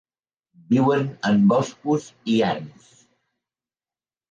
Viuen en boscos i erms.